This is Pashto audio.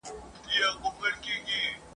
نوح ته ولاړم تر توپانه !.